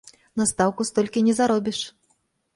На стаўку столькі не заробіш!